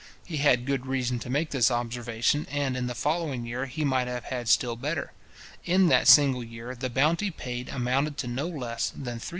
He had good reason to make this observation, and in the following year he might have had still better. In that single year, the bounty paid amounted to no less than £ 324,176:10:6.